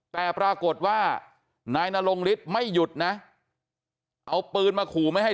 แต่ปรากฏว่านายนรงฤทธิ์ไม่หยุดนะเอาปืนมาขู่ไม่ให้